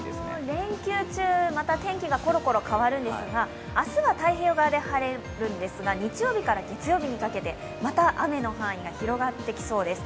連休中また天気がころころ変わるんですが、明日は太平洋側で晴れるんですが日曜日から月曜日にかけてまた雨の範囲が広がってきそうです。